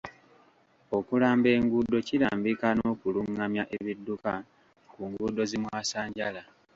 Okulamba enguudo kirambika n'okulungamya ebidduka ku nguudo zi mwasanjala.